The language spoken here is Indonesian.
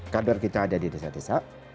kader kita ada di desa desa